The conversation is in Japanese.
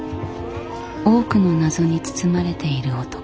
多くの謎に包まれている男。